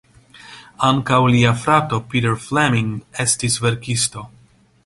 Ankaŭ lia frato Peter Fleming estis verkisto.